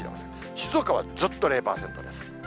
静岡はずっと０％です。